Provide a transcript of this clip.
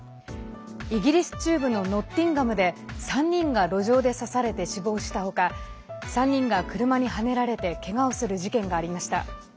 イギリス中部のノッティンガムで３人が路上で刺されて死亡した他３人が車にはねられてけがをする事件がありました。